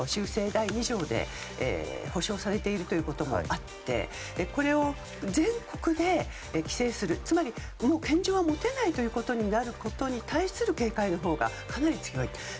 第２条で保障されているというのもあってこれを全国で規制するつまり、拳銃を持てないということに対する警戒のほうが、かなり強い。